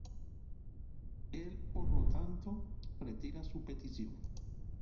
Él por lo tanto retira su petición.